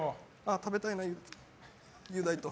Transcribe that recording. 食べたいな、雄大と。